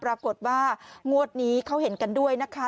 ปรากฏว่างวดนี้เขาเห็นกันด้วยนะคะ